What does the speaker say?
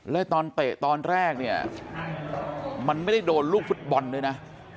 แล้วตอนเตะตอนแรกเนี่ยมันไม่ได้โดนลูกฟุตบอลด้วยนะ